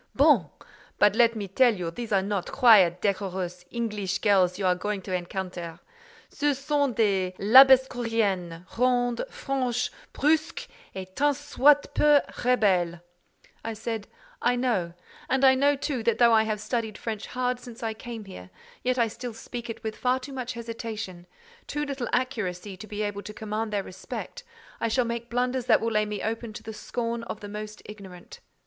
"Bon! But let me tell you these are not quiet, decorous, English girls you are going to encounter. Ce sont des Labassecouriennes, rondes, franches, brusques, et tant soit peu rebelles." I said: "I know; and I know, too, that though I have studied French hard since I came here, yet I still speak it with far too much hesitation—too little accuracy to be able to command their respect I shall make blunders that will lay me open to the scorn of the most ignorant.